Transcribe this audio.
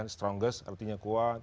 strongest artinya kuat